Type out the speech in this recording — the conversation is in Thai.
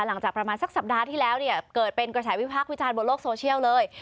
หลังจากประมาณสักสัปดาห์ที่แล้วเนี่ยเกิดเป็นกระแสวิพักษ์วิจารณ์บนโลกโซเชียลเลย